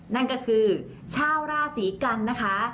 นั่นก็คือชาวราศีกันนะคะ